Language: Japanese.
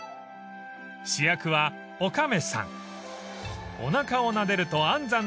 ［主役はおかめさん］